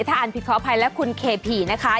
ถ้าอ่านผิดขออภัยและคุณเคพีนะคะ